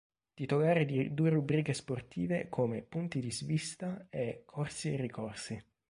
Titolare di due rubriche sportive come "Punti di svista" e "Corsi e ricorsi".